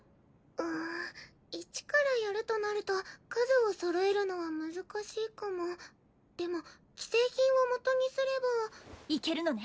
うん一からやるとなると数を揃えるのは難しいかもでも既製品をもとにすればいけるのね！